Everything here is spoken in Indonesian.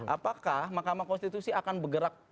apakah mahkamah konstitusi akan bergerak